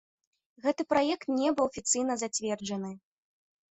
Гэты праект не быў афіцыйна зацверджаны.